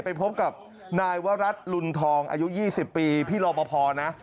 ไปพบกับนายวรัฐลุนทองอายุ๒๐ปีพี่รอปภนะ